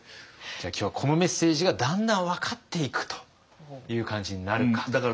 じゃあ今日はこのメッセージがだんだん分かっていくという感じになるかっていう。